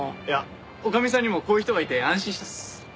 いや女将さんにもこういう人がいて安心したっす。